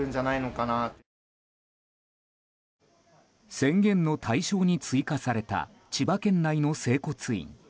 宣言の対象に追加された千葉県内の整骨院。